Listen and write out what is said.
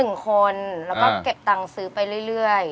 คนแล้วก็เก็บตังค์ซื้อไปเรื่อย